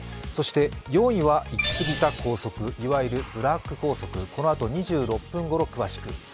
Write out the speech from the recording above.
そして４位はいきすぎた校則いわゆるブラック校則、このあと２６分ごろ詳しく。